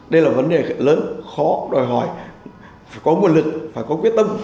đây là vấn đề lớn khó đòi hỏi phải có nguồn lực phải có quyết tâm